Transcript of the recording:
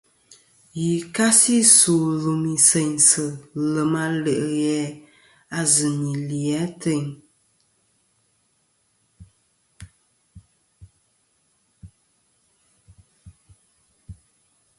Yì kasi su lùmì seynsɨ lèm a le' ghè a zɨ nì li atayn.